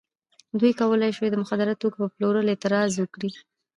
دوی کولای شوای د مخدره توکو په پلور اعتراض وکړي.